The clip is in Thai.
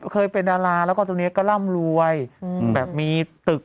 เล่นพนันออนไลน์